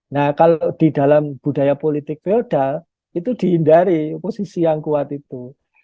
nah kalau di dalam budaya politik feodal itu dihindari oposisi yang kuat itu